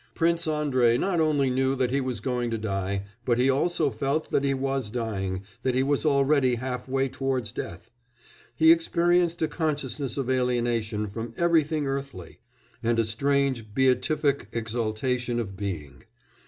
"Prince Andrei not only knew that he was going to die, but he also felt that he was dying, that he was already half way towards death. He experienced a consciousness of alienation from everything earthly, and a strange beatific exaltation of being.